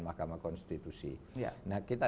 mahkamah konstitusi nah kita